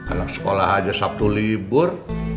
anak sekolah aja sabtu libur